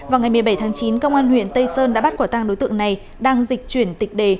vào ngày một mươi bảy tháng chín công an huyện tây sơn đã bắt quả tang đối tượng này đang dịch chuyển tịch đề